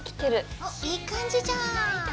おっいい感じじゃん。